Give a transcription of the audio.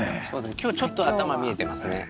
今日ちょっと頭見えてますね。